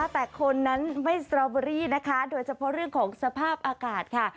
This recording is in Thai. แต่คนนั้นไม่สตรอเบอรี่นะคะโดยเฉพาะเรื่องของสภาพอากาศค่ะ